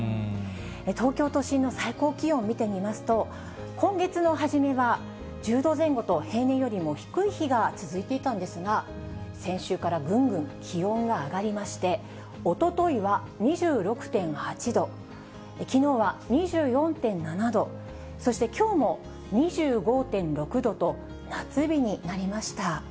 東京都心の最高気温、見てみますと、今月の初めは１０度前後と、平年よりも低い日が続いていたんですが、先週からぐんぐん気温が上がりまして、おとといは２６．８度、きのうは２４．７度、そしてきょうも２５．６度と、夏日になりました。